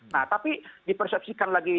nah tapi dipersepsikan lagi